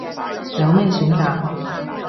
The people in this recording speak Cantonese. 有咩選擇